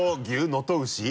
能登牛？